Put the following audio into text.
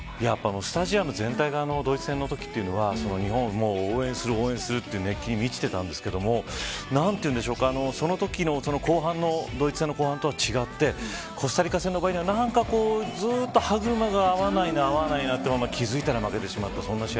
スタジアム全体がドイツ戦のときというのは日本を応援する熱気に満ちていたんですけど何というんでしょうかそのときのドイツ戦の後半のときとは違ってコスタリカ戦の場合はずっと歯車が合わないなと気づいたら負けてしまった。